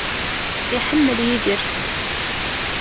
Iḥemmel Yidir seksu.